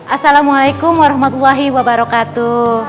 assalamualaikum warahmatullahi wabarakatuh